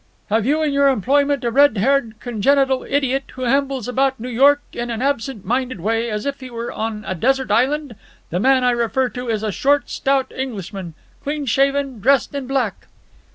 "Have you in your employment a red haired, congenital idiot who ambles about New York in an absent minded way, as if he were on a desert island? The man I refer to is a short, stout Englishman, clean shaven, dressed in black."